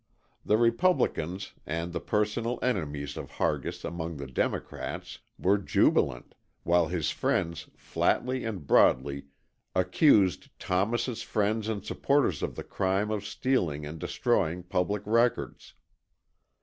The Republicans, and the personal enemies of Hargis among the Democrats, were jubilant, while his friends flatly and broadly accused Thomas' friends and supporters of the crime of stealing and destroying public records.